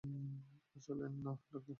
আসলে না, ডাক্তার।